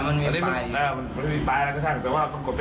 ทำไมพื้นเนี่ยเอามาด้วยเนี่ยนี่เป็นของเราใช่ไหม